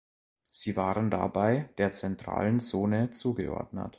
Sie waren dabei der Zentralen Zone zugeordnet.